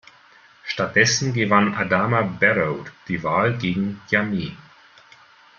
Stattdessen gewann Adama Barrow die Wahl gegen Jammeh.